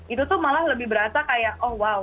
itu tuh malah lebih berasa kayak oh wow